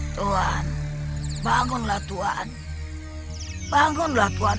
tuhan bangunlah tuhan